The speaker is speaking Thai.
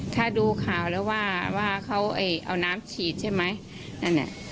ถ้าดูข่าวแล้วว่าเขาเอาน้ำฉีดใช่ไหมนั่นน่ะ